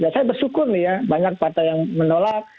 saya bersyukur nih ya banyak partai yang menolak